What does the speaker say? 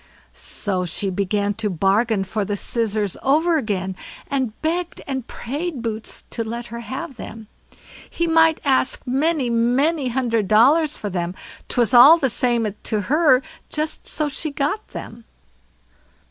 So she began to bargain for the scissors over again, and begged and prayed Boots to let her have them; he might ask many, many hundred dollars for them, 'twas all the same to her, so she got them.